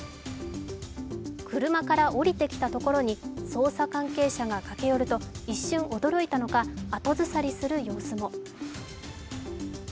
車から降りてきたところに捜査関係者が駆け寄ると一瞬驚いたのか、後ずさりする様子も。